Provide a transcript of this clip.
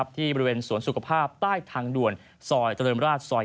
ที่บริเวณสวนสุขภาพใต้ทางด่วนซอยเจริญราชซอย๑